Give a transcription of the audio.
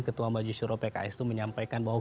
ketua majelis syuro pks itu menyampaikan bahwa